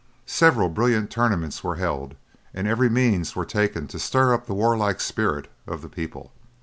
Several brilliant tournaments were held and every means were taken to stir up the warlike spirit of the people.